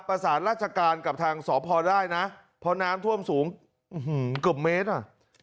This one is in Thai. ประสานราชการกับทางสพได้นะเพราะน้ำท่วมสูงเกือบเมตรอ่ะ